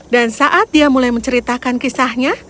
dan saat dia mulai menceritakan kisahnya